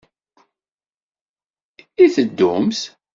I teddumt?